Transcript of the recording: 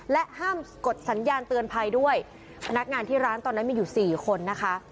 ห้ามกดสัญญาณเตือนภัยด้วยพนักงานที่ร้านตอนนั้นมีอยู่สี่คนนะคะ